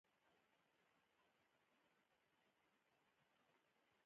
دوی د خلکو ریښتیني ژوندانه انځورول پیل کړل.